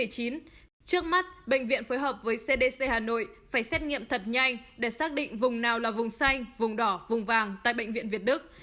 trước mắt bệnh viện phối hợp với cdc hà nội phải xét nghiệm thật nhanh để xác định vùng nào là vùng xanh vùng đỏ vùng vàng tại bệnh viện việt đức